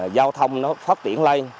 giao thông nó phát triển lên